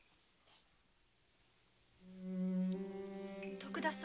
徳田様。